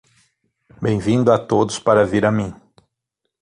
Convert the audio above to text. Bem-vindo a todos para vir a mim.